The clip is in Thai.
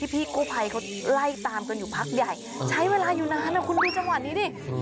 พี่กู้ภัยเขาไล่ตามกันอยู่พักใหญ่ใช้เวลาอยู่นานนะคุณดูจังหวะนี้ดิ